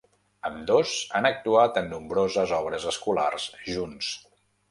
Ambdós han actuat en nombroses obres escolars junts.